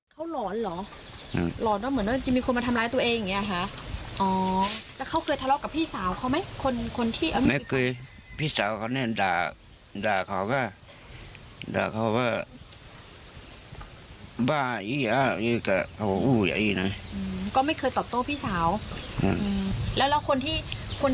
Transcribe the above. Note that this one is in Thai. เขาติดยาเสพติดอะไรอย่างนี้ไหม